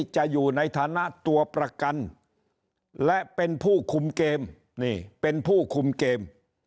จะอยู่ในฐานะตัวประกันและเป็นผู้คุมเกมนี่เป็นผู้คุมเกม